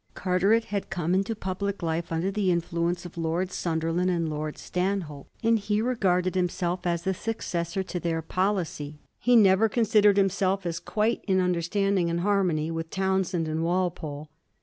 Carteret had come into public life under the influence of Lord Sunderland and Lord Stanhope, and he regarded himself as the suc cessor to their policy. He never considered himself as quite in imderstanding and harmony with Townshend and Walpole.